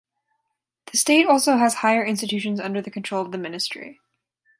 The state also has higher institutions under the control of the ministry.